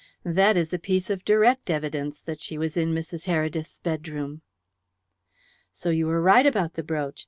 That is a piece of direct evidence that she was in Mrs. Heredith's bedroom." "So you were right about the brooch.